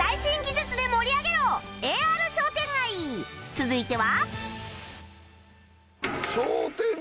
続いては